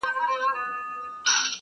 انسانانو یو متل دی پیدا کړی-